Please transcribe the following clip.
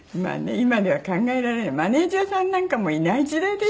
今では考えられないマネジャーさんなんかもいない時代でしたからね昔はね。